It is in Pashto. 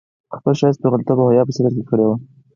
خپل ښايیت، پېغلتوب او حيا په ستر کړې وه